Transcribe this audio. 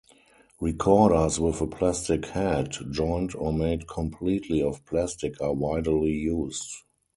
Recorders with a plastic head joint or made completely of plastic are widely used.